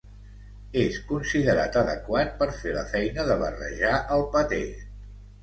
És considerat adequat per fer la feina de barrejar el paté.